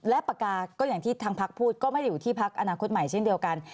และปากกาก็อย่างที่ทางพักพูดก็ไม่ได้อยู่ที่พักอนาคตใหม่เช่นเดียวกัน